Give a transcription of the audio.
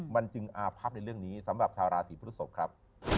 มันจึงอาพับในเรื่องนี้สำหรับชาวราศีพฤศพครับ